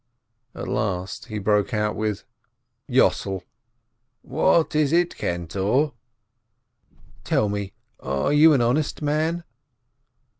At last he broke out with : "Yossel !" "What is it, cantor?" "Tell me, are you an honest man?"